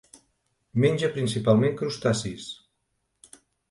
Menja principalment crustacis.